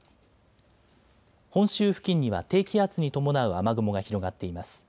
本州付近には低気圧に伴う雨雲が広がっています。